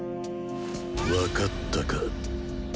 分かったか。